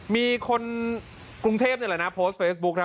มีคนกรุงเทพโพสต์เฟซบุค